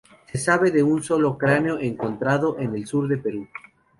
Se sabe de un solo cráneo encontrado en el sur de Perú.